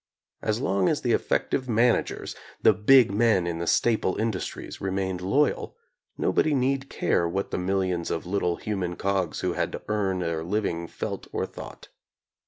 As long as the effective managers, the "big men" in the staple industries remained loyal, nobody need care what the millions of little hu man cogs who had to earn their living felt or thought.